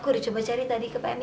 aku udah coba cari tadi ke pak emi